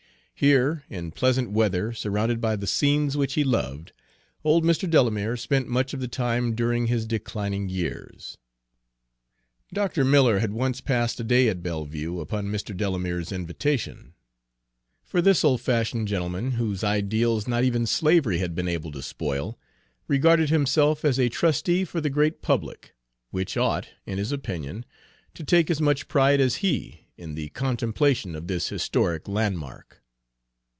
Here, in pleasant weather, surrounded by the scenes which he loved, old Mr. Delamere spent much of the time during his declining years. Dr. Miller had once passed a day at Belleview, upon Mr. Delamere's invitation. For this old fashioned gentleman, whose ideals not even slavery had been able to spoil, regarded himself as a trustee for the great public, which ought, in his opinion, to take as much pride as he in the contemplation of this historic landmark.